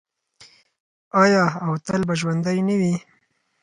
آیا او تل به ژوندی نه وي؟